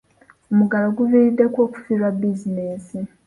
Omuggalo guviiriddeko okufiirwa bizinensi.